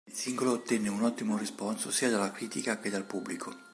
Il singolo ottenne un ottimo responso sia dalla critica che dal pubblico.